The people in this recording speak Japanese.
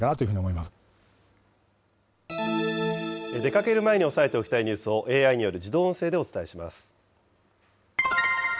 出かける前に押さえておきたいニュースをＡＩによる自動音声